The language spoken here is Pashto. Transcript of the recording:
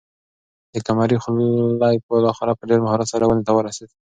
د قمرۍ خلی بالاخره په ډېر مهارت سره ونې ته ورسېد.